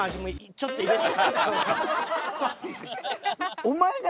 ちょっと入れて。